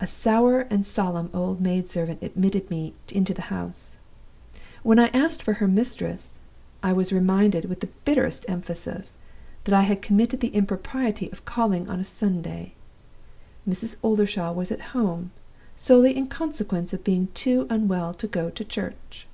"A sour and solemn old maid servant admitted me into the house. When I asked for her mistress, I was reminded with the bitterest emphasis that I had committed the impropriety of calling on a Sunday. Mrs. Oldershaw was at home, solely in consequence of being too unwell to go to church!